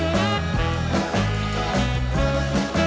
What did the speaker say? รับทราบ